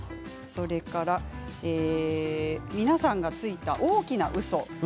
それから皆さんがついた大きなうそ。